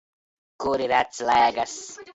Kur ir atsl?gas?